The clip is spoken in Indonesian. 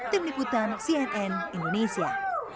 tim liputan cnn indonesia